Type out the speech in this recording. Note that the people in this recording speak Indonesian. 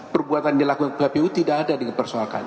perbuatan yang dilakukan oleh kpu tidak ada yang dipersoalkan